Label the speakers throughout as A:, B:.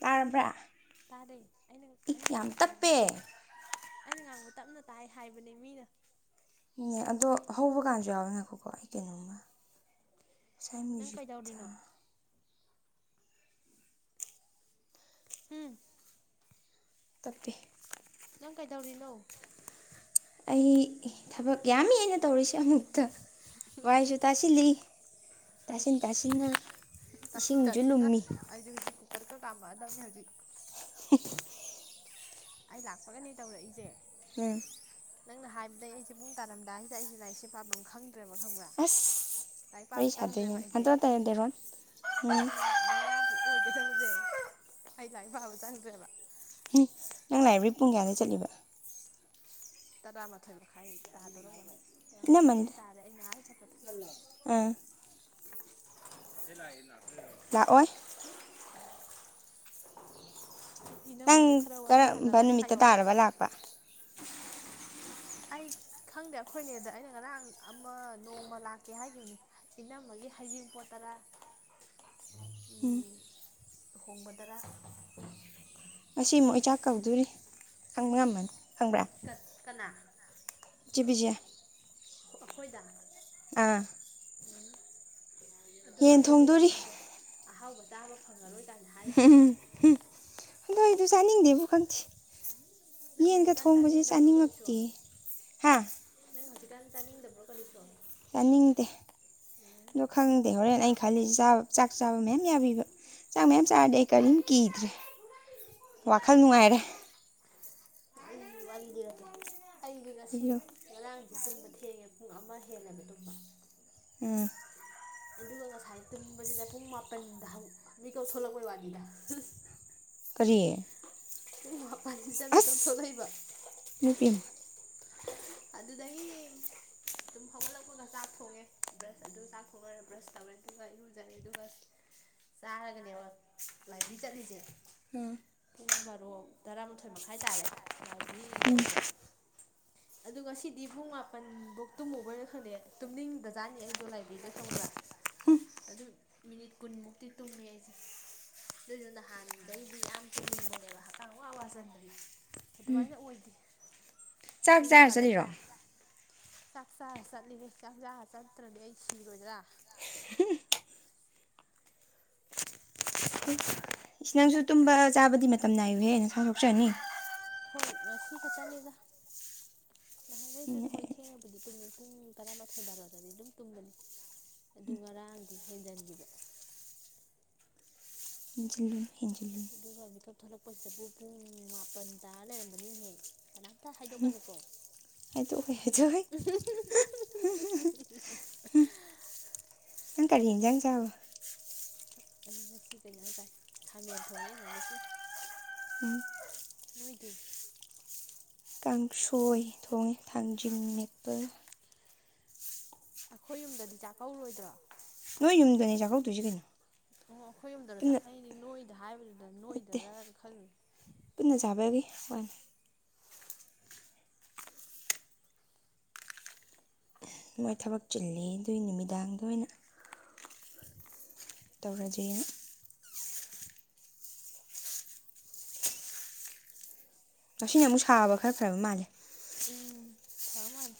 A: ꯇꯥꯔꯕ꯭ꯔꯥ
B: ꯇꯥꯗꯩ ꯑꯩꯅ
A: ꯏ
B: ꯑꯩꯅ
A: ꯌꯥꯝ
B: ꯉꯥꯡꯕ
A: ꯇꯞꯄꯦ
B: ꯇꯥꯕ꯭ꯔꯥ ꯑꯩꯅ ꯉꯥꯡꯕ ꯇꯞꯅ ꯇꯥꯏ ꯍꯥꯏꯕꯅꯦ ꯃꯤꯅ
A: ꯅꯦ ꯑꯗꯣ ꯍꯧꯕꯀꯥꯟꯁꯨ ꯌꯥꯎꯋꯦꯅꯀꯣꯀꯣ ꯑꯩ ꯀꯩꯅꯣꯃ ꯁꯥꯏ
B: ꯅꯪ
A: ꯃ꯭ꯌꯖꯤꯛꯗ
B: ꯀꯩꯗꯧꯔꯤꯅꯣ ꯎꯝ
A: ꯇꯞꯄꯤꯦ
B: ꯅꯪ ꯀꯩꯗꯧꯔꯤꯅꯣ
A: ꯑꯩ ꯊꯕꯛ ꯌꯥꯝꯃꯦꯅ ꯇꯧꯔꯤꯁꯦ ꯑꯃꯨꯛꯇ ꯋꯥꯏꯁꯨ ꯇꯥꯁꯤꯜꯂꯤ ꯇꯥꯁꯤꯟ ꯇꯥꯁꯤꯟꯅ
B: ꯇꯁꯤꯦ
A: ꯏꯁꯤꯡꯁꯨ
B: ꯇꯆꯦꯅꯥ
A: ꯂꯨꯝꯃꯤ
B: ꯑꯁꯨ ꯍꯧꯖꯤ ꯔꯀ ꯀꯃ ꯑꯗꯨꯖꯤ
A: ꯍ
B: ꯑꯩ ꯂꯥꯛꯄꯒꯅꯦ ꯇꯧꯔꯛꯏꯁꯦ
A: ꯎꯝ
B: ꯅꯪꯅ ꯍꯥꯏꯕꯗꯩ ꯑꯩꯁꯦ ꯄꯨꯡ ꯇꯥꯔꯝꯗꯥꯏꯁꯤꯗ ꯑꯩꯁꯦ ꯂꯥꯏꯔꯤꯛꯁꯦ ꯄꯥꯝꯗꯝ ꯈꯪꯗꯦ ꯗ꯭ꯔꯦꯕ ꯈꯪꯕ꯭ꯔꯥ
A: ꯑꯁ
B: ꯂꯥꯏꯔꯤꯛ
A: ꯋꯥꯔꯤ
B: ꯄꯥꯕ
A: ꯁꯥꯗꯣꯏꯅꯦ
B: ꯆꯪꯗ꯭ꯔꯦꯕ ꯑꯩꯁꯦ
A: ꯍꯟꯇꯣ ꯇꯔꯦꯗꯦꯔꯣꯟ
B: ꯄꯨꯡ
A: ꯎꯝ
B: ꯃꯉꯥꯕꯨ ꯑꯣꯏꯒꯗꯕꯁꯦ ꯑꯩ ꯂꯥꯏꯔꯤꯛ ꯄꯥꯕ ꯆꯪꯗ꯭ꯔꯦꯕ
A: ꯎꯝ ꯅꯪ ꯂꯥꯏꯕꯦꯔꯤ ꯄꯨꯡ ꯀꯌꯥꯗ ꯆꯠꯂꯤꯕ
B: ꯇꯔꯥꯃꯥꯊꯣꯏ ꯃꯈꯥꯏ ꯇꯥꯗꯧ ꯃꯥꯜꯂꯦ ꯇꯔꯥꯃꯥꯊꯣꯏ ꯃꯈꯥꯏ
A: ꯏꯅꯝꯃꯅꯤꯗ
B: ꯇꯥꯔꯦ ꯑꯩ ꯅꯍꯥꯟ ꯆꯠꯄ
A: ꯑꯥ ꯂꯥꯛꯑꯣꯏ ꯅꯪ
B: ꯏꯅꯝꯃꯒ ꯈꯔ ꯋꯥꯔꯤ
A: ꯀꯔꯝꯕ
B: ꯁꯥꯟꯅꯔꯅꯤ
A: ꯅꯨꯃꯤꯠꯇ
B: ꯍꯥꯏꯌꯣ
A: ꯇꯥꯔꯕ ꯂꯥꯛꯄ
B: ꯑꯩ ꯈꯪꯗꯦ ꯑꯩꯈꯣꯏꯅꯦꯗ ꯑꯩꯅ ꯉꯔꯥꯡ ꯑꯃ ꯅꯣꯡꯃ ꯂꯥꯛꯀꯦ ꯍꯥꯏꯈꯤꯕꯅꯤ ꯏꯅꯝꯝꯕꯒꯤ ꯍꯩꯖꯤꯡꯄꯣꯠ ꯇꯔꯥ
A: ꯎꯝ
B: ꯍꯣꯡꯕꯗꯔꯥ
A: ꯉꯁꯤ ꯑꯃꯨꯛ ꯏ ꯆꯥꯛ ꯀꯧꯗꯣꯔꯤ ꯈꯪꯕ ꯉꯃꯅꯤ ꯈꯪꯕ꯭ꯔꯥ
B: ꯁꯠ ꯀꯅꯥ
A: ꯆꯕꯤꯖꯤꯌꯥ
B: ꯑꯩꯈꯣꯏꯗ
A: ꯑꯥ
B: ꯎꯝ ꯑꯗꯨꯔꯣ
A: ꯌꯦꯟ
B: ꯑꯆꯣꯂꯤꯅ
A: ꯊꯣꯡꯗꯣꯔꯤ
B: ꯑꯩꯉꯣꯟꯗ ꯑꯍꯥꯎꯕ ꯆꯥꯕ ꯐꯪꯉꯔꯣꯏ ꯀꯥꯏꯅ ꯍꯥꯏꯔꯤꯁꯦ
A: ꯎꯝꯝ ꯎꯝ ꯑꯗꯣ ꯑꯩꯗ ꯆꯥꯅꯤꯡꯗꯦꯕꯨ ꯈꯪꯁꯤꯦ
B: ꯅꯪ
A: ꯌꯦꯟꯒ
B: ꯍꯧꯖꯤꯛꯀꯥꯟ
A: ꯊꯣꯡꯕꯁꯦ
B: ꯆꯥꯅꯤꯡꯗꯕ꯭ꯔꯣ ꯀꯔꯤꯁꯨ
A: ꯆꯥꯅꯤꯡꯉꯛꯇꯦ ꯍꯥ
B: ꯅꯪ ꯍꯧꯖꯤꯛꯀꯥꯟ ꯆꯥꯅꯤꯡꯗꯕ꯭ꯔꯣ ꯀꯔꯤꯁꯨꯣ
A: ꯌꯥꯅꯤꯡꯗꯦ ꯑꯗꯣ ꯈꯪꯗꯦ ꯍꯣꯔꯦꯟ ꯑꯩꯅ ꯈꯜꯂꯤꯁꯥꯕ ꯆꯥꯛ ꯆꯥꯕ ꯃꯌꯥꯝ ꯌꯥꯕꯤꯕ ꯆꯥꯛ ꯃꯌꯥꯝ ꯆꯥꯔꯗꯤꯦ ꯑꯩ ꯀꯔꯤꯝ ꯀꯤꯗ꯭ꯔꯦ ꯋꯥꯈꯜ ꯅꯨꯡꯉꯥꯏꯔꯦ
B: ꯑꯩ ꯋꯥꯅꯤꯗꯤꯔꯀꯦ ꯑꯩꯗꯤꯉ ꯁꯤ ꯉꯔꯥꯡꯁꯦ ꯇꯨꯝꯕ ꯊꯦꯡꯉꯦ ꯄꯨꯡ ꯑꯃ ꯍꯦꯜꯂꯦꯕ ꯇꯨꯝꯕ
A: ꯎꯝ
B: ꯑꯗꯨꯒ ꯉꯁꯥꯏ ꯇꯨꯝꯕꯁꯤꯅ ꯄꯨꯡ ꯃꯥꯄꯟꯗ ꯃꯤ ꯀꯧꯊꯂꯛꯄꯩ ꯋꯥꯅꯤꯅꯦ ꯑ
A: ꯀꯔꯤ
B: ꯎꯨꯡ ꯃꯄꯜꯁꯤꯗ ꯃꯤ ꯀꯞꯊꯣꯛꯩꯕ
A: ꯃ ꯄꯤꯝ
B: ꯑꯗꯨꯗꯒꯤ ꯑꯗꯨꯝ ꯍꯧꯒꯠꯂꯛꯄꯒ ꯆꯥꯛ ꯊꯣꯡꯉꯦ ꯕ꯭ꯔꯁ ꯑꯗꯨ ꯆꯥꯛꯊꯣꯡꯅꯔꯦ ꯕ꯭ꯔꯁ ꯇꯧꯔꯦ ꯑꯗꯨꯒ ꯏꯔꯨꯖꯔꯦ ꯑꯗꯨꯒ ꯆꯥꯔꯒꯅꯦꯕ ꯂꯝꯥꯏꯕꯤ ꯆꯠꯂꯤꯁꯦ
A: ꯍꯝ
B: ꯄꯨꯡ ꯕꯥꯔꯣ ꯇꯔꯥꯃꯥꯊꯣꯏ ꯃꯈꯥꯏ ꯇꯥꯔꯦ ꯂꯥꯏꯕ꯭ꯔꯦꯔꯤ ꯌꯧꯕꯗ ꯑꯗꯨꯗ ꯉꯁꯤꯗꯤ ꯄꯨꯡ ꯃꯥꯄꯟꯐꯧ ꯇꯨꯝꯃꯨꯕꯣꯏ ꯑꯣꯏꯅ ꯈꯪꯗꯦ ꯇꯨꯝꯅꯤꯡꯗꯖꯥꯠꯅꯤ ꯑꯩꯗꯣ ꯂꯥꯏꯕ꯭ꯔꯦꯔꯤꯗ ꯈꯪꯕ꯭ꯔꯥ
A: [inaudible]
B: ꯑꯗꯨ ꯃꯤꯅꯤꯠ ꯀꯨꯟꯃꯨꯛꯇꯤ ꯇꯨꯝꯃꯦ ꯑꯩꯁꯦ ꯅꯏꯁꯨ ꯅꯍꯥꯟꯗꯩꯗꯤ ꯌꯥꯝ ꯇꯤꯡꯅꯤꯡꯕꯅꯦꯕ ꯍꯛꯀꯥꯡ ꯋꯥ ꯋꯥ ꯆꯟꯗꯅ ꯑꯗꯨꯃꯥꯏꯅ ꯑꯣꯏꯗꯦ
A: ꯆꯥꯛ
B: ꯑꯗꯨꯗꯤ
A: ꯆꯥꯔ ꯆꯠꯂꯤꯔꯣ
B: ꯐꯔꯗ꯭ꯔꯥ ꯆꯥꯛ ꯆꯥꯔ ꯆꯠꯂꯤꯅꯦꯦ ꯆꯥꯛ ꯆꯥꯔ ꯆꯠꯇ꯭ꯔꯗꯤ ꯑꯩ ꯁꯤꯔꯣꯏꯗ꯭ꯔꯥ
A: ꯏꯁ ꯅꯪꯁꯨ ꯇꯨꯝꯕ ꯆꯥꯕꯗꯤ ꯃꯇꯝ ꯅꯥꯏꯌꯨꯍꯦꯅ ꯁꯥꯎꯗꯣꯛꯆꯅꯤ
B: ꯍꯣꯏ ꯉꯁꯤ ꯈꯛꯇꯅꯤꯗ ꯅꯍꯥꯟꯈꯩꯁꯨꯗ ꯍꯣꯏ ꯊꯦꯡꯅꯕꯨꯗꯤ ꯇꯨꯝꯃꯤ ꯄꯨꯡ ꯇꯔꯥꯃꯥꯊꯣꯏ ꯕꯥꯔꯣꯗꯗꯤ ꯑꯗꯨꯝ ꯇꯨꯝꯕꯅꯤ ꯑꯗꯨ ꯉꯔꯥꯡꯗꯤ ꯍꯦꯟꯖꯟꯈꯤꯕ
A: ꯍꯖꯂꯨ ꯍꯖꯂꯤꯨ
B: ꯑꯗꯨꯒ ꯃꯤꯛꯀꯞ ꯊꯣꯛꯂꯛꯄꯁꯤꯗꯕꯨ ꯄꯨꯡ ꯃꯥꯄꯟ ꯇꯥꯔ ꯂꯩꯔꯝꯕꯅꯤꯍꯦꯛ ꯀꯅꯥꯝꯇ ꯍꯥꯏꯗꯣꯛꯀꯅꯨꯀꯣ
A: ꯍꯥꯏꯗꯣꯛꯑꯣ ꯍꯥꯏꯗꯣꯛꯑꯣ
B: ꯎ
A: ꯑꯪ ꯀꯔ ꯌꯦꯖꯪ ꯆꯕ
B: ꯑꯅꯤꯃꯛꯀꯤ ꯀꯩꯅꯣ ꯍꯥꯏ ꯇꯥꯏ ꯈꯥꯃꯦꯟ ꯊꯣꯡꯉꯦ ꯑꯗꯨꯗꯁꯨꯅ
A: ꯎꯝ
B: ꯅꯣꯏꯗꯤ
A: ꯀꯥꯡꯁꯣꯏ ꯊꯣꯡꯉꯦ ꯊꯥꯡꯖꯤꯡ ꯃꯠꯄ
B: ꯑꯩꯈꯣꯏ ꯌꯨꯝꯗꯗꯤ ꯆꯥꯛꯀꯧꯔꯣꯏꯗ꯭ꯔꯣ
A: ꯅꯣꯏ ꯌꯨꯝꯗꯅꯦ ꯆꯥꯛꯀꯧꯗꯣꯏꯁꯦ ꯀꯩꯅꯣ
B: ꯑꯣ ꯑꯩꯈꯣꯏ ꯌꯣꯝꯗꯗ
A: ꯄꯨꯟꯅ
B: ꯆꯠꯅꯗꯤ ꯅꯣꯏꯗ ꯍꯥꯏꯕꯗꯨꯗ
A: ꯅꯠꯇꯦ
B: ꯅꯣꯏꯗꯔ ꯈꯜꯂꯨꯨꯔꯦ
A: ꯄꯨꯟꯅ ꯆꯥꯕꯒꯤ ꯋꯥꯅꯤ ꯃꯣꯏ ꯊꯕꯛ ꯆꯤꯜꯂꯤ ꯑꯗꯨꯏ ꯅꯨꯃꯤꯗꯥꯡꯗ ꯑꯣꯏꯅ ꯇꯧꯔꯁꯦ ꯉꯁꯤꯅ ꯑꯃꯨꯛ ꯁꯥꯕ ꯈꯔ ꯐ꯭ꯔꯕ ꯃꯥꯜꯂꯦ
B: ꯎꯝ ꯐꯥꯃꯥꯟ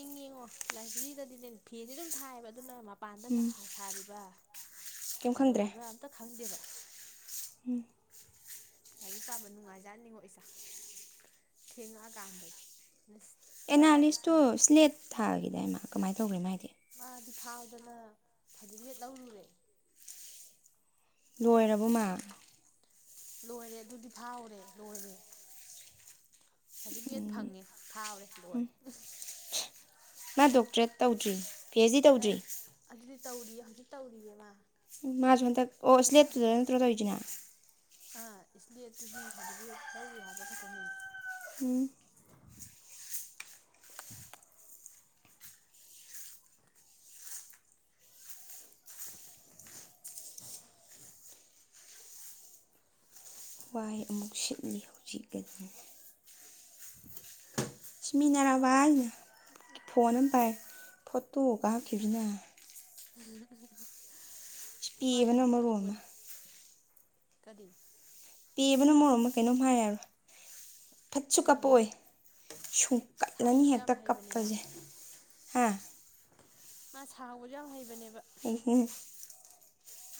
B: ꯏꯪꯉꯡꯉꯣ ꯂꯥꯏꯕ꯭ꯔꯦꯔꯤꯗꯗꯤꯅꯦ ꯐꯦꯟꯗꯤ ꯑꯗꯨꯝ ꯊꯥꯏꯑꯕ ꯑꯗꯨꯅ ꯃꯄꯥꯟꯗ
A: ꯎꯝ
B: ꯅꯨꯡꯁꯥ ꯁꯥꯔꯤꯕ
A: ꯀꯩꯝ
B: ꯀꯩꯗꯧꯔꯤꯕ ꯑꯝꯇ ꯈꯪꯗꯦꯕ
A: ꯎꯝ
B: ꯂꯥꯏꯔꯤꯛ ꯄꯥꯕ ꯅꯨꯡꯉꯥꯏꯖꯥꯠꯅꯤꯡꯉꯣ ꯏꯥ ꯊꯦꯡꯉꯛꯑꯀꯥꯟꯗꯗꯤ ꯐ꯭ꯔꯥꯏ
A: ꯑꯦꯅꯥꯂꯤꯁꯇꯣ ꯁ꯭ꯂꯦꯠ ꯊꯥꯒꯤꯗꯥꯏꯃ ꯀꯃꯥꯏꯅ ꯇꯧꯒ꯭ꯔꯦꯃ ꯍꯥꯏꯗꯤ
B: ꯃꯥꯗꯤ ꯐꯥꯎꯗꯅ ꯁꯥꯔꯇꯤꯐꯤꯀꯦꯠ ꯂꯧꯔꯨꯔꯦ
A: ꯂꯣꯏꯔꯕ ꯃꯥ
B: ꯂꯣꯏꯔꯦ ꯑꯗꯨꯗꯤ ꯐꯥꯎꯔꯦ ꯂꯣꯏꯔꯦ ꯁꯥꯔꯇꯤꯐꯤꯀꯦꯠ ꯐꯪꯉꯦ ꯐꯥꯎꯔꯦ ꯂꯣꯏꯔꯦ
A: ꯃꯥ ꯗꯣꯛꯇꯔꯦꯠ ꯇꯧꯗ꯭ꯔꯤ ꯄꯤ ꯑꯩꯆ ꯗꯤ
B: ꯑ
A: ꯇꯧꯗ꯭ꯔꯤ
B: ꯑꯗꯨꯗꯤ ꯇꯧꯔꯤꯌꯦ ꯍꯧꯖꯤꯛ ꯇꯧꯔꯤꯌꯦꯃ
A: ꯃꯥꯔꯁ ꯍꯟꯗꯛ ꯑꯣ ꯏꯁ ꯂꯦꯞꯇꯨꯗ ꯅꯠꯇ꯭ꯔ ꯇꯧꯔꯤꯁꯤꯅ
B: ꯑ ꯏꯁꯂꯦꯠꯇꯨꯗꯤ ꯁꯥꯔꯇꯤꯐꯤꯀꯦꯠ ꯂꯧꯔꯨꯏ ꯍꯥꯏꯕ ꯈꯛꯇꯅꯤ
A: ꯍꯝ ꯋꯥꯏ ꯑꯃꯨꯛ ꯁꯤꯠꯂꯤ ꯍꯧꯖꯤꯛꯀꯗꯤ ꯁꯤꯃꯤꯅꯔ ꯑꯃ ꯕꯥꯅ ꯐꯣꯟ ꯍꯕ ꯐꯇꯣꯒꯍꯈꯤꯕꯕꯤꯅ
B: ꯃꯥ ꯌꯥꯝ
A: ꯄꯦꯕꯅ ꯃꯔꯣꯟ ꯑꯃ
B: ꯅꯣꯛꯅꯤꯡꯕꯅꯤ ꯀꯔꯤ
A: ꯄꯦꯕꯅ ꯃꯣꯔꯣꯃ ꯀꯩꯅꯣꯝ ꯍꯥꯏꯔꯔꯣ ꯐꯠꯁꯨ
B: ꯎꯝ
A: ꯀꯞꯄꯑꯣꯏ ꯁꯨꯡꯀꯠꯂꯅꯤ
B: ꯁꯥꯎꯕꯁꯨ ꯌꯥꯝ
A: ꯍꯦꯛꯇ
B: ꯍꯩꯕꯅꯦ ꯃꯥ
A: ꯀꯞꯄꯁꯦ ꯍꯥ
B: ꯉ ꯁꯕꯁꯨ ꯌꯥꯝ ꯍꯩꯕꯅꯦꯕ
A: ꯑꯩ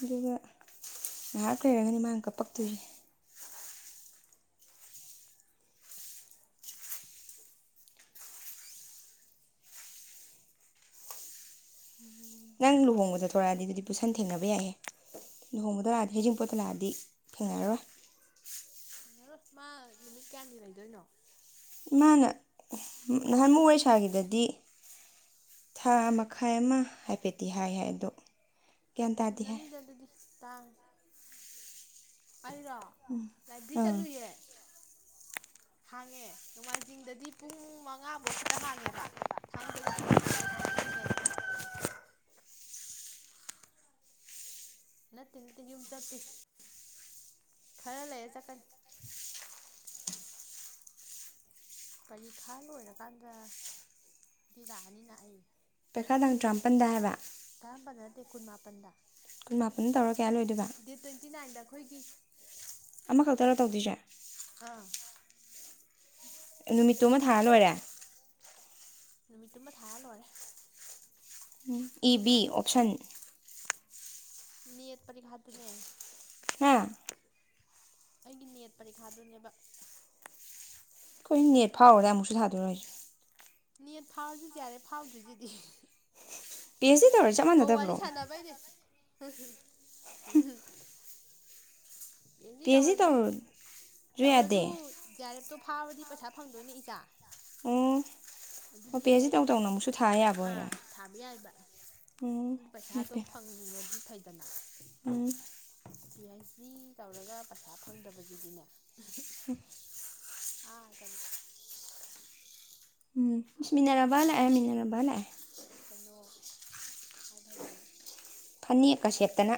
A: ꯑꯗꯨꯒ ꯉꯥꯏꯍꯥꯛ ꯂꯩꯔꯒꯅꯤ ꯃꯥꯥꯡ ꯀꯄꯛꯇꯣꯏꯁ ꯅꯪ ꯂꯨꯍꯣꯡꯕꯗꯣ ꯊꯣꯔꯛꯑꯗꯤ ꯑꯗꯨꯗꯤ ꯄꯨꯁꯟ ꯊꯦꯡꯅꯕ ꯌꯥꯏꯍꯦ ꯂꯨꯍꯣꯡꯕꯗ ꯂꯥꯛꯑꯗꯤ ꯍꯩꯖꯤꯡꯄꯣꯠꯇ ꯂꯥꯛꯑꯗꯤ ꯊꯦꯡꯅꯔꯔꯣꯏ
B: ꯊꯦꯡꯅꯔꯣ ꯃꯥ ꯅꯨꯃꯤꯠ ꯀꯌꯥꯅꯤ ꯂꯩꯗꯣꯏꯅꯣ
A: ꯏꯃꯥꯅ ꯅꯍꯥꯟ ꯃꯨꯛ ꯑꯣꯏꯁꯥꯒꯤꯗꯗꯤ ꯊꯥ ꯃꯈꯥꯏ ꯑꯃ ꯍꯥꯏꯐꯦꯠꯇꯗꯤꯤ ꯍꯥꯏ ꯍꯥꯏ ꯑꯗꯣ ꯒ꯭ꯌꯥꯟ ꯇꯥꯗꯦ ꯍꯥꯏ
B: ꯎꯟꯅꯅꯤ ꯗꯗꯗꯤ ꯇꯥꯡ ꯑꯩꯔꯣ ꯂꯥꯏꯕꯔꯤ
A: ꯑꯪ
B: ꯆꯠꯂꯨꯌꯦ ꯍꯥꯡꯉꯦ ꯅꯣꯡꯃꯥꯏꯖꯤꯡꯗꯗꯤ ꯄꯨꯡ ꯃ ꯃꯉꯥꯐꯧ ꯈꯛꯇ ꯍꯥꯡꯉꯦꯕ ꯊꯥꯡꯖꯒ ꯅꯣꯡꯃꯥꯏꯖꯤꯡꯒꯗꯤ ꯑꯗꯨꯏ ꯉꯟꯅ ꯍꯜꯂꯛꯄ ꯅꯠꯇꯦ ꯅꯠꯇꯦ ꯌꯨꯝ ꯆꯠꯇꯦ ꯈꯔ ꯂꯩꯔꯦ ꯆꯠꯀꯅꯤ ꯄꯔꯤꯈꯥ ꯂꯣꯏꯔꯀꯥꯟꯗꯗꯤ ꯂꯥꯛꯑꯅꯤꯅ ꯑꯩ
A: ꯄꯦꯈꯥ ꯇꯥꯡ ꯇꯔꯥꯃꯥꯄꯟꯗ ꯍꯥꯏꯕ
B: ꯇꯥ ꯄꯅꯔꯗ ꯀꯨꯟ ꯃꯥꯥꯄꯟꯗ
A: ꯀꯨꯟ ꯃꯥꯄꯟ ꯇꯧꯔ ꯀꯌꯥ ꯂꯣꯏꯗꯣꯏꯕ
B: ꯇꯤꯇꯤ ꯅꯥꯏꯟꯗꯈꯣꯏꯒꯤ
A: ꯑꯃꯈꯛꯇꯔ ꯇꯧꯗꯣꯏꯁꯦ
B: ꯑꯥ
A: ꯅꯨꯃꯤꯠꯇꯨ ꯑꯃ ꯊꯥꯔ ꯂꯣꯏꯔꯦ
B: ꯅꯨꯃꯤꯠꯇꯨꯃ ꯊꯥꯔ ꯂꯣꯏꯔꯦ
A: ꯎ ꯏ ꯕꯤ
B: ꯑꯗꯨꯒ
A: ꯑꯣꯞꯁꯟ
B: ꯅꯠ ꯄꯔꯤꯈꯥꯠꯇꯅꯦ
A: ꯍꯥ
B: ꯑꯩꯒꯤ ꯅꯦꯠ ꯄꯔꯤꯈꯥꯗꯨꯅꯦꯕ
A: ꯍꯣꯏ ꯅꯦꯠ
B: ꯑꯣꯞꯁꯟ
A: ꯐꯥꯎꯈꯔꯗꯥꯏ
B: ꯈꯟꯕꯤ
A: ꯑꯃꯨꯛꯁꯨ ꯊꯥꯗꯣꯏꯔꫭ ꯍꯥꯏꯁꯦ
B: ꯅꯦꯠ ꯐꯥꯎꯔꯁꯨ ꯖꯤ ꯑꯥꯔ ꯑꯦꯐ ꯐꯥꯎꯗ꯭ꯔꯤꯁꯤꯗꯤ
A: ꯄꯤ ꯍꯥꯁ ꯗꯤ ꯇꯧꯔ ꯆꯞ
B: ꯑꯣ ꯋꯔꯤ
A: ꯃꯥꯟꯅꯗꯕ꯭ꯔꯣ
B: ꯁꯥꯟꯅꯕꯒꯤꯅꯦ ꯄꯤ ꯍꯥꯁ ꯗꯤ ꯇꯧꯔꯁꯨ
A: ꯌꯥꯗꯦ
B: ꯇꯧꯔꯁꯨ ꯖꯤ ꯑꯥꯔ ꯑꯦꯐꯇꯣ ꯐꯥꯎꯔꯗꯤ ꯄꯩꯁꯥ ꯐꯪꯗꯣꯏꯅꯦ ꯏꯆꯥ
A: ꯎꯝ
B: ꯑꯗꯨꯗꯤ
A: ꯄꯤ ꯍꯥꯁ ꯗꯤ
B: ꯑꯩ
A: ꯇꯧ ꯇꯧꯅ ꯑꯃꯨꯛꯁꯨ ꯊꯥ ꯌꯥꯕ ꯑꯣꯏꯔꯦ
B: ꯑꯥ
A: ꯎꯝ
B: ꯑꯗꯣ ꯐꯪꯉꯗꯤ ꯐꯩꯗꯅ
A: ꯎꯝ
B: ꯄꯤ ꯍꯥꯁ ꯗꯤ ꯇꯧꯔꯒ ꯄꯩꯁꯥ ꯐꯪꯗꯕꯁꯤꯗꯤꯅꯦ ꯑꯥ ꯀꯔꯤ
A: ꯎꯝ ꯏꯁ ꯃꯤꯅꯔꯥꯕꯥ ꯂꯥꯛꯑꯦ ꯃꯤꯅꯥꯔꯥꯕꯥ ꯂꯥꯛꯑꯦ
B: ꯀꯩꯅꯣ ꯑꯁ ꯍꯥꯏꯕ ꯍꯩꯇꯔꯅꯦ
A: ꯐꯅꯦꯛꯀ ꯁꯦꯠꯇꯅ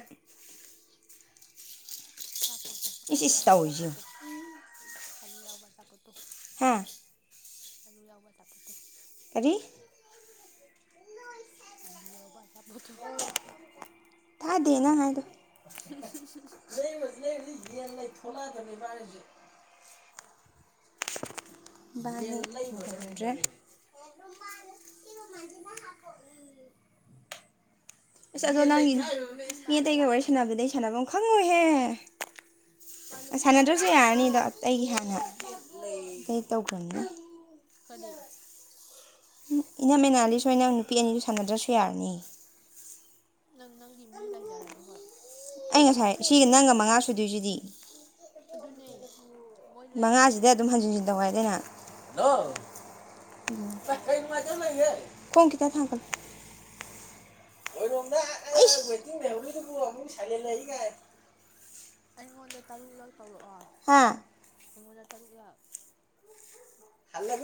B: ꯑꯆꯥꯄꯣꯠꯇꯣ ꯑꯂꯨ
A: ꯏꯁ ꯏꯁ
B: ꯌꯥꯎꯕ
A: ꯇꯧꯔꯤꯁꯤ
B: ꯑꯆꯥꯄꯠꯇꯣ
A: ꯌꯦꯡꯉꯨ
B: ꯑꯂꯨ ꯌꯥꯎꯕ ꯑꯆꯥꯄꯠꯇꯣ
A: ꯍꯥꯥ
B: ꯑꯂꯨ ꯌꯥꯎꯕ ꯑꯆꯥꯄꯣꯠꯇꫭ
A: ꯀꯔꯤ
B: ꯑꯂꯨ ꯌꯥꯎꯕ ꯑꯆꯥꯄꯣꯠꯇꯣ
A: ꯇꯥꯗꯦ ꯅꯪ ꯍꯥꯏꯗꯣ
B: [unintelligible]
A: ꯂꯩꯕꯁꯤ ꯂꯩꯕꯁꯤ ꯌꯦꯟ ꯂꯩ ꯊꯣꯛꯂꯛ ꯑꯗꯨꯕꯅꯤ ꯏꯕꯅꯤ ꯍꯧꯖꯤꯛ ꯏꯕꯅꯤ [unintelligible] ꯔꯨꯃꯥꯟꯗꫭ ꯁꯤ ꯔꯨꯃꯥꯟꯁꯤꯅ ꯍꯥꯄꯛꯏꯌꯦ ꯑꯁ ꯑꯗꯣ
B: ꯃꯥ
A: ꯅꯪꯒꯤ
B: ꯅꯨꯄꯤ ꯅꯨꯄꯤ
A: ꯃꯤ
B: ꯃꯥꯜꯂ
A: ꯑꯇꯩꯒ ꯋꯥꯔꯤ
B: ꯂꯥꯛꯄ꯭ꯔꯥ ꯃꯥ
A: ꯁꯥꯟꯅꯕꯗꯩ ꯁꯥꯟꯅꯐꯝ ꯈꯪꯉꯣꯏꯍꯦ
B: ꯃꯥ
A: ꯑꯥ
B: ꯅꯨꯄꯤ ꯃꯥꯜꯂ
A: ꯁꯥꯟꯅꯗ꯭ꯔꯁꯨ
B: ꯂꯥꯛꯄ꯭ꯔꯥ
A: ꯌꯥꯔꯅꯤꯗ ꯑꯩꯒꯤ ꯍꯥꯟꯅ ꯀꯩ ꯇꯧꯈ꯭ꯔꯕꯅꯤꯅ
B: ꯀꯔꯤ
A: ꯎꯝ ꯏꯅꯝꯃ ꯑꯦꯅꯥꯜꯂꯤꯁ ꯍꫭꯏ ꯅꯪ ꯅꯨꯄꯤ ꯑꯅꯤꯗꯨ ꯁꯥꯟꯅꯗ꯭ꯔꯁꯨ ꯌꯥꯔꯅꯤ
B: ꯅꯪ ꯅꯪꯒꯤ ꯃꯤ ꯂꯩꯖꯔꯗꯤ ꯍꯣꯏ
A: ꯑꯩ ꯉꯁꯥꯏ ꯁꯤꯒ ꯅꯪꯒ ꯃꯉꯥ ꯁꯨꯗꯣꯏꯁꯤꯗꯤ
B: ꯑꯗꯨꯅꯦ ꯃꯣꯏ ꯂꯩꯔꯝꯃꯤꯅ
A: ꯃꯉꯥꯁꯤꯗ
B: ꯅꯪ
A: ꯑꯗꯨꯝ ꯍꯟꯖꯤꯟꯖꯤꯟ ꯇꯧ ꯍꯥꯏꯗꯥꯏ ꯅꯪ
B: ꯍꯣꯏ
A: ꯎꯝ
B: ꯇꯧꯋꯣ
A: ꯈꫭꯡ ꯈꯤꯇꯥ ꯊꯥꯡꯒꯠꯂꯨ [unintelligible] ꯋꯦꯇꯤꯡ ꯂꯩꯍꯧꯔꯤꯗꯨꯕꯨ ꯑꯃꯨꯛ ꯁꯥꯥꯏꯂꯦꯡ ꯂꯩ ꯀꯥꯏ
B: ꯑꯩꯉꯣꯟꯗ ꯇꯔꯨꯛꯂꯛ ꯇꯧꯔꯛꯑꯣ
A: ꯍꯥꯥ
B: ꯑꯩꯉꯣꯟꯗ ꯇꯔꯨꯛꯂꯛ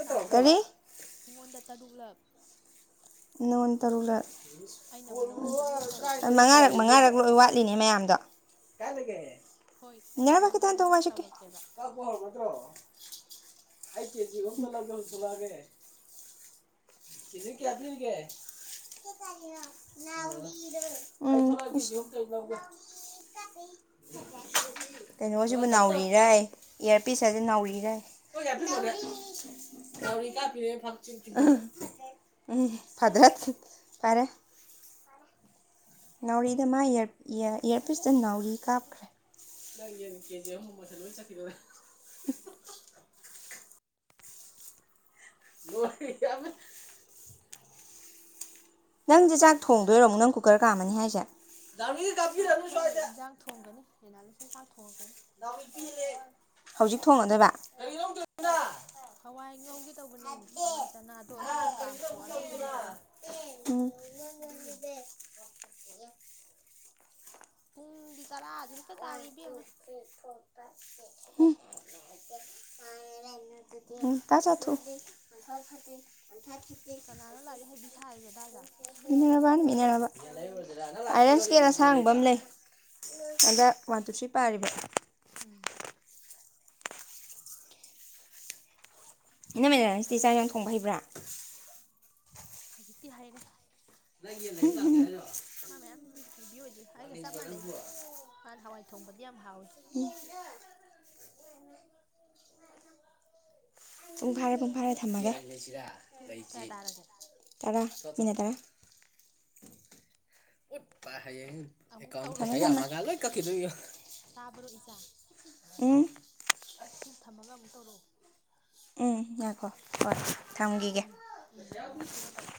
B: ꯇꯥꯕ꯭ꯔꯣ
A: ꯀꯔꯤ
B: ꯑꯩꯉꯣꯟꯗ ꯇꯔꯨꯛꯂꯛ
A: ꯅꯪꯒꫭꯟꯗꯥ ꯇꯔꯨꯛꯂꯛ
B: ꯑꯩꯅ ꯑꯃꯨꯛ ꯅꯪꯉꯣꯟꯗ ꯇꯔꯨꯛꯂꯛ ꯇꯧꯔꯛꯀꯦ
A: ꯃꯉꯥꯔꯛ ꯃꯉꯥꯔꯛ ꯂꯣꯏ ꯋꯥꯠꯂꯤꯅꯦ ꯃꯌꯥꯝꯗꯣ
B: ꯍꯣꯏ ꯑꯩꯅ
A: ꯌꯥꯃ
B: ꯑꯃꯨꯛ
A: ꯈꯤꯇꯪ ꯍꯥꯟꯗꫭꯛꯑꫭ
B: ꯅꯪꯉꯣꯟꯗ
A: ꯋꯥꯏ ꯁꯤꯠꯀꯦ
B: ꯇꯧꯔꯛꯀꯦꯕ
A: ꯀꯥꯛꯄ ꯍꯧꯔꯕ ꯅꯠꯇ꯭ꯔꯣ ꯑꯩ ꯀꯦꯖꯤ ꯑꯍꯨꯝꯇ ꯂꯥꯎꯒꯦ ꯍꯧꯖꯤꯛ ꯊꫭꯛꯂꯥꯛꯑꯒꯦ ꯀꯦꯖꯤ ꯀꯌꯥ ꯄꯤꯔꯤꯒꯦ ꯆꯠꯂꯤꯅꫭ ꯅꯥꯎꯔꯤꯗꫭ ꯎꯝ ꯏꯁ ꯅꯥꯎꯔꯤ ꯀꯥꯠ ꯀꯩꯅꯣꯁꯤꯕꯨ ꯅꯥꯎꯔꯤꯔꯌꯦ ꯏꯌꯥꯔꯄꯤꯁ ꯍꯥꯏꯁꯦ ꯅꯥꯎꯔꯤꯔꯌ ꯡꯦ ꯅꯥꯎꯔꯤ ꯅꯥꯎꯔꯤ ꯀꯥꯞꯄꯤꯅꯤꯅꯥ ꯄꯥꯠ ꯆꯤꯡ ꯆꯤꯡꯊꫭꯛ ꯎꯝ ꯐꯗꯥꯠ ꯐꯔꯦ ꯅꯥꯎꯔꯤꯗ ꯃꯥ ꯏꯌꯥꯔꯄꯤꯁꯇ ꯅꯥꯎꯔꯤ ꯀꯥꯞꯈ꯭ꯔꯦ ꯅꯪ ꯌꯦꯟ ꯀꯦꯖꯤ ꯑꯍꯨꯝ ꯃꯃꯥꯜꯁꯦ ꯂꯣꯏ ꯆꯠꯈꯤꯗꫭꯔꯦ ꯂꫭꯏꯔ ꯑꯃ ꯅꯪꯁꯦ ꯆꯥꯛ ꯊꯣꯡꯗꯣꯏꯔꯣꯃꯨꯛ ꯅꯪ ꯀꯨꯀꯔ ꯀꯥꯝꯃꯅꯤ ꯍꯥꯏꯁꯦ
B: ꯆꯥꯛ ꯊꯣꯡꯉꯣꯏ ꯏꯟꯖꯥꯡ ꯊꯣꯡꯒꯅꯤ ꯑꯦꯅꯥꯂꯤꯁꯟ ꯆꯥꯛ ꯊꯣꯡꯉꯒꯅꯤ
A: ꯍꯧꯖꯤꯛ ꯊꯣꯡꯉꯗꯕ
B: ꯍꯋꯥꯏ ꯉꯧꯒꯦꯗꯧꯕꯅꯦ ꯍꯋꯥꯏ ꯆꯅꯥꯗꯣ
A: ꯍꯥ
B: ꯑꯗꯨꯒꯤ
A: ꯀꯔꯤꯅꯣ ꯑꯃꯨꯛ ꯇꯧꯔꯤꯗꯨꯅ
B: ꯀꯥꯝꯊꯣꯛꯑꯗꯧꯕꯅꯤꯗꯅꯤ ꯑꯗꯨꯒꯤ ꯄꯨꯡꯗꯤ ꯇꯔꯥꯗꯤ ꯍꯦꯛꯇ ꯇꯥ ꯏꯕꯦꯝꯃ
A: ꯎꯝ ꯀ ꯆ ꯊ
B: ꯀꯅꯥꯅꯣ ꯂꯥꯏꯔꯤꯛ ꯍꯩꯕꯤ ꯁꯥꯔꯤꯗꯣ ꯑꯗꯥꯏꯗ
A: ꯃꯤꯅꯦꯔꯕꯥꯥꯟ ꯃꯤꯅꯦꯔꯕꯥ ꯑꯥꯏꯔꯟ ꯏꯁꯀꯦꯟ ꯑꯁꯥꯡꯕ ꯑꯃ ꯂꯩ ꯑꯟꯗꯛ ꯋꯥꯟ ꯇꯨ ꯊ꯭ꯔꯤ ꯄꯥꯔꯤꯕ
B: ꯎꯝ
A: ꯏꯩꯅ ꯃ ꯁꯤꯇꯤ ꯆꯥꯔ ꯌꯥꯝꯅ ꯊꯣꯡꯕ ꯍꯩ꯭ꯔꯥ
B: ꯍꯧꯖꯤꯛꯇꯤ ꯍꯩꯔꯦ
A: ꯂꯩ ꯂꯩ ꯆ
B: ꯃꯥ ꯃꯌꯥꯝꯗꯤ ꯍꯥꯏꯕꯤ ꯑꯣꯏꯗ꯭ꯔꯦ ꯑꯩꯒ ꯆꯞ ꯃꯥꯟꯅꯩꯗ ꯃꯥꯅ ꯍꯋꯥꯏ ꯊꯣꯡꯕꯗꯤ ꯌꯥꯝ ꯍꯥꯎꯏꯤ
A: ꯎꯝ ꯄꯨꯡ ꯐꯥꯔꯦ ꯄꯨꯡ ꯐꯥꯔꯦ ꯊꯝꯃꯒꯦ
B: ꯄꯨꯡ ꯀꯌꯥ ꯇꯥꯔꯒꯦ
A: ꯇꯅ
B: ꯑꯃꯨꯛ
A: ꯇ
B: ꯇꯧꯔꯛꯑꯣ
A: ꯒꯂꯣ ꯈꯔ
B: ꯇꯥꯕ꯭ꯔꯣ ꯏꯁꯥ
A: ꯎꯝ
B: ꯁꯤ ꯊꯝꯃꯒ ꯑꯃꯨꯛ ꯇꯧꯔꯛꯑꯣ
A: ꯎꯝ ꯌꯥꯏꯈꯣ ꯍꯣꯏ ꯊꯝꯈꯤꯒꯦ
B: ꯎꯝ ꯊꯝꯃꯣ ꯑꯗꯨꯒ ꯇꯧꯔꯛꯑꯣ